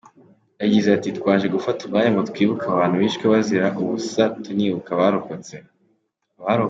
Yagize ati “Twaje gufata umwanya ngo twibuke abantu bishwe bazira ubusa tunibuka abarokotse.